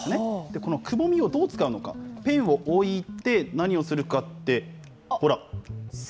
このくぼみをどう使うのか、ペンを置いて何をするかって、ほら。